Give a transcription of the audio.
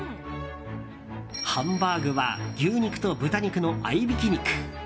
ハンバーグは牛肉と豚肉の合いびき肉。